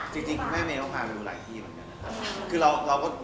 จริงแม่เมย์เขาพาไปดูหลายที่เหมือนกัน